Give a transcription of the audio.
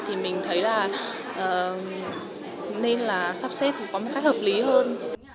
thì mình thấy là nên là sắp xếp có một cách hợp lý hơn